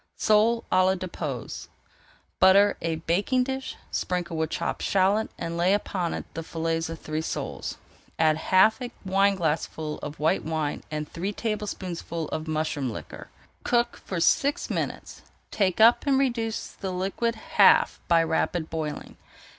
SOLE À LA DIEPPOISE Butter a baking dish, sprinkle with chopped shallot, and lay upon it the fillets of three soles. Add half a wineglassful of white wine and three tablespoonfuls of mushroom liquor. Cook for six [Page 386] minutes, take up, and reduce the liquid half by rapid boiling.